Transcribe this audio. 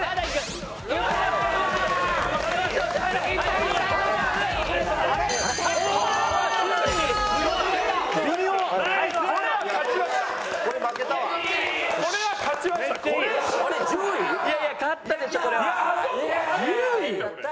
いやいや勝ったでしょこれは。